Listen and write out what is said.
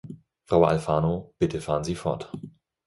Frau Alfano, bitte fahren Sie fort.